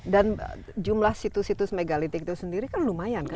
dan jumlah situs situs megalitik itu sendiri kan lumayan kan